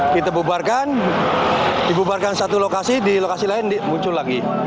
kita bubarkan dibubarkan satu lokasi di lokasi lain muncul lagi